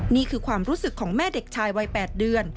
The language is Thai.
นี่คือความรู้สึกของแม่เด็กชายวัย๘เดือน